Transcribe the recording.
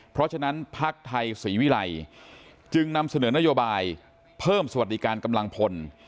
เพราะฉะนั้นภักดิ์ไทยศรีวิรัยจึงนำเสนอนโยบายเพิ่มสวัสดิการกำลังพล